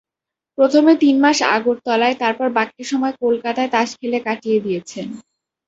প্রথমে তিন মাস আগরতলায়, তারপর বাকিটা সময় কলকাতায় তাস খেলে কাটিয়ে দিয়েছেন।